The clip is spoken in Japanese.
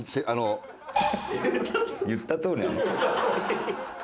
言ったとおりなの？